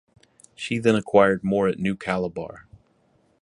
She then acquired more at New Calabar.